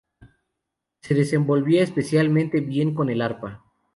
Se desenvolvía especialmente bien con el arpa.